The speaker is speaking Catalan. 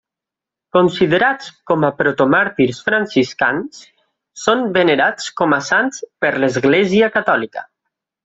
Considerats com a protomàrtirs franciscans, són venerats com a sants per l'Església catòlica.